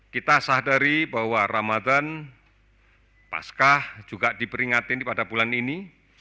kita sadari bahwa ramadan paskah juga diperingati pada bulan ini